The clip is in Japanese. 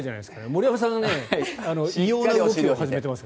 森山さん異様な動きを始めています。